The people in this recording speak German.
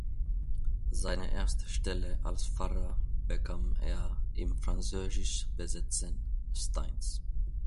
Seine erste Stelle als Pfarrer bekam er im französisch besetzten Stainz.